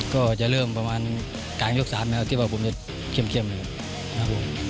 ก็จะเริ่มประมาณกลางยก๓นะครับที่ว่าผมจะเข้มเลยครับ